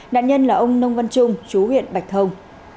nạn nhân là ông nông văn trung chú huyện bạch thông